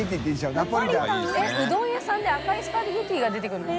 うどん屋さんで赤いスパゲティが出てくるの？